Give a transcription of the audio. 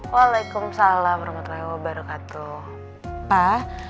waalaikumsalam warahmatullahi wabarakatuh